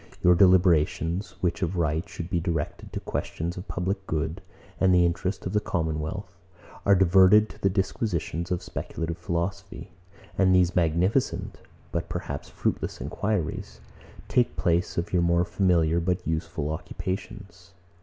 Your deliberations, which of right should be directed to questions of public good, and the interest of the commonwealth, are diverted to the disquisitions of speculative philosophy; and these magnificent, but perhaps fruitless enquiries, take place of your more familiar but more useful occupations.